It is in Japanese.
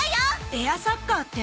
エアサッカーって？